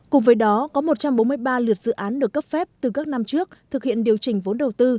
cùng với đó có một trăm bốn mươi ba lượt dự án được cấp phép từ các năm trước thực hiện điều chỉnh vốn đầu tư